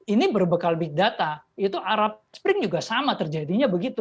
ini berbekal big data itu arab spring juga sama terjadinya begitu